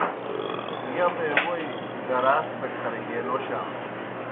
یبے ووئی گراس دہ کھر گیے نوشانوْ۔